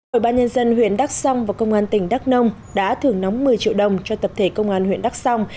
hội ban nhân dân huyện đắk sông và công an tỉnh đắk nông đã thưởng nóng một mươi triệu đồng cho tập thể công an huyện đắk sông